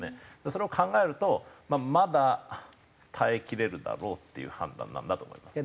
それを考えるとまだ耐えきれるだろうっていう判断なんだと思います。